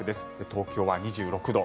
東京は２６度。